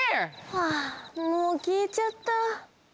はあもうきえちゃった。